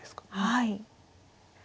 はい。